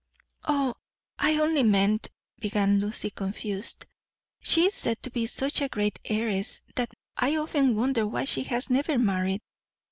"Oh, I only meant " began Lucy, confused. "She is said to be such a great heiress, that I often wonder why she has never married."